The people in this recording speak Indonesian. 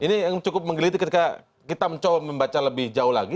ini yang cukup menggeliti ketika kita mencoba membaca lebih jauh lagi